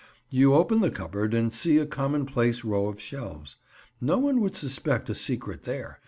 You open the cupboard and see a commonplace row of shelves. No one would suspect a secret there.